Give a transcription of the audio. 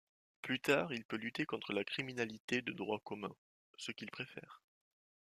Plus tard il peut lutter contre la criminalité de droit commun, ce qu'il préfère.